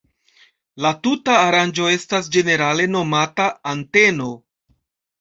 La tuta aranĝo estas ĝenerale nomata anteno.